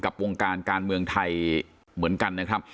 กับวงการการเมืองไทยเหมือนกันนะครับ